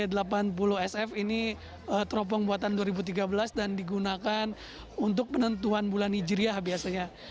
g delapan puluh sf ini teropong buatan dua ribu tiga belas dan digunakan untuk penentuan bulan hijriah biasanya